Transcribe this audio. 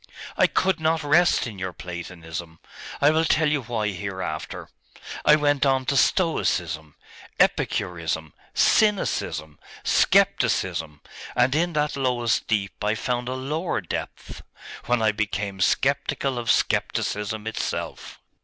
I could not rest in your Platonism I will tell you why hereafter. I went on to Stoicism, Epicurism, Cynicism, Scepticism, and in that lowest deep I found a lower depth, when I became sceptical of Scepticism itself.